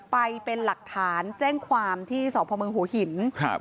ไปเป็นหลักฐานแจ้งความที่สพเมืองหัวหินครับ